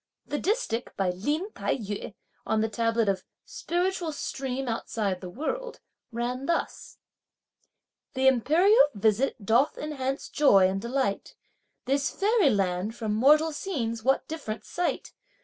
The distich by Lin Tai yü on the tablet of "Spiritual stream outside the world," ran thus: Th' imperial visit doth enhance joy and delight. This fairy land from mortal scenes what diff'rent sight!